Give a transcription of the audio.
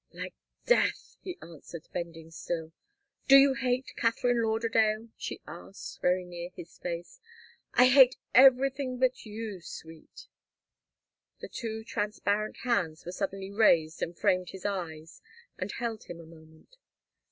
"Like death," he answered, bending still. "Do you hate Katharine Lauderdale?" she asked, very near his face. "I hate everything but you, sweet " The two transparent hands were suddenly raised and framed his eyes, and held him a moment.